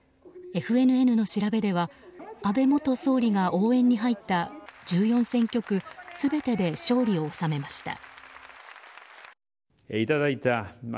ＦＮＮの調べでは、安倍元総理が応援に入った１４選挙区全てで勝利を収めました。